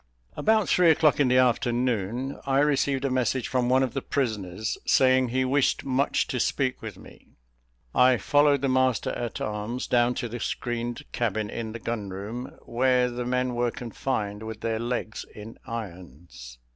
About three o'clock in the afternoon, I received a message from one of the prisoners, saying, he wished much to speak with me. I followed the master at arms down to the screened cabin, in the gun room, where the men were confined with their legs in irons.